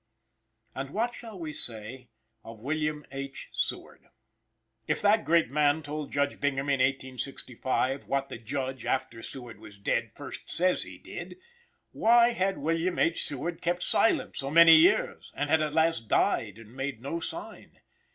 And what shall we say of William H. Seward? If that great man told Judge Bingham in 1865 what the Judge, after Seward was dead, first says he did, why had William H. Seward kept silent so many years, and at last died and made no sign?